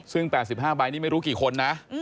ซึ่ง๘๕ใบนี่ไม่รู้กี่คนนะ